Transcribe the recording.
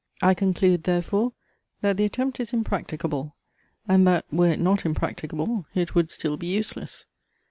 I conclude, therefore, that the attempt is impracticable; and that, were it not impracticable, it would still be useless.